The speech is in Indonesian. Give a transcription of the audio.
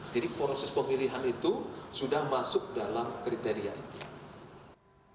jadi proses pemilihan itu sudah masuk dalam kriteria itu